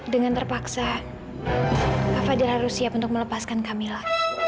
dengan terpaksa kak fadil harus siap untuk melepaskan kamila